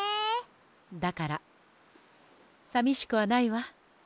だからさみしくはないわ。